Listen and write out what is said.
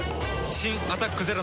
新「アタックＺＥＲＯ」